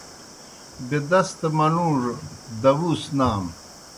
بیدستہ منُوڙوْ داؤس نانوْ